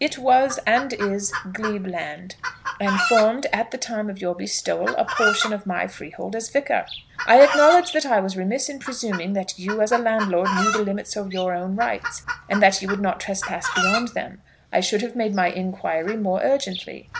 It was, and is, glebe land; and formed, at the time of your bestowal, a portion of my freehold as Vicar. I acknowledge that I was remiss in presuming that you as a landlord knew the limits of your own rights, and that you would not trespass beyond them. I should have made my inquiry more urgently.